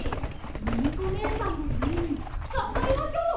ミミコねえさんのためにがんばりましょう！